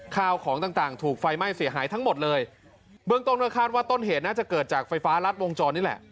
ข้าวของต่างต่างถูกไฟไหม้เสียหายทั้งหมดเลยเบื้องต้นก็คาดว่าต้นเหตุน่าจะเกิดจากไฟฟ้ารัดวงจรนี่แหละ